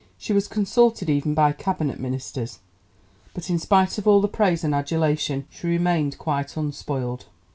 She was consulted even by Cabinet Ministers, but in spite of all the praise and adulation she remained quite unspoiled.